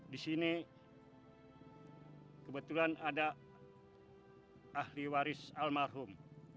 di sini kebetulan ada ahli waris almarhum